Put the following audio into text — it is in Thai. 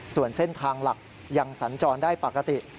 ส่วนเส้นทางหลักยังสัญจรได้ปกติ